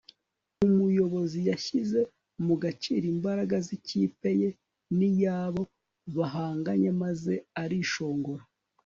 Umuyobozi yashyize mu gaciro imbaraga zikipe ye niyabo bahanganye maze arishongora